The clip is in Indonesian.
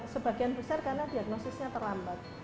sebagian besar karena diagnosisnya terlambat